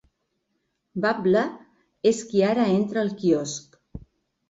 "Babble", és qui ara entra al quiosc.